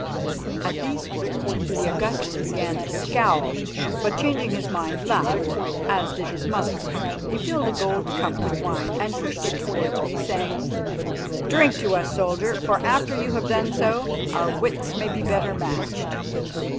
At these words the Augustus began to scowl, but, changing his mind, laughed, as did his mother. He filled a gold cup with wine and pushed it towards me, saying: "Drink to us, soldier, for after you have done so, our wits may be better matched."